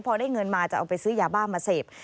พอได้เงินมาจะเอาไปซื้อยาบ้ามาเสพ